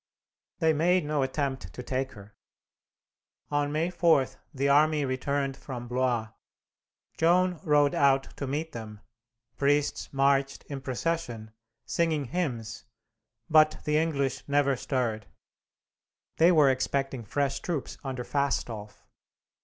They made no attempt to take her. On May 4 the army returned from Blois. Joan rode out to meet them, priests marched in procession, singing hymns, but the English never stirred. They were expecting fresh troops under Fastolf.